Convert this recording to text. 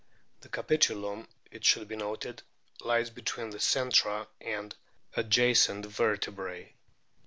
The capitulum, it should be noted, lies between the centra of adjacent vertebrse.